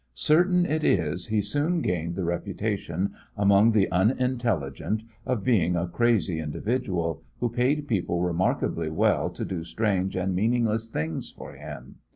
Certain it is, he soon gained the reputation among the unintelligent of being a crazy individual, who paid people remarkably well to do strange and meaningless things for him.